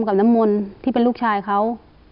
กับน้ำมนต์ที่เป็นลูกชายเขา